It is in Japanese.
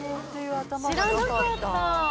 知らなかった！